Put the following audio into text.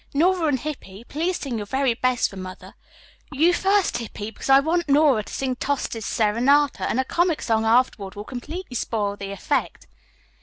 Nora and Hippy, please sing your very best for Mother. You first, Hippy, because I want Nora to sing Tosti's 'Serenata,' and a comic song afterward will completely spoil the effect."